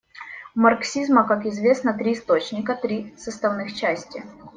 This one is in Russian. У марксизма, как известно, три источника, три составных части.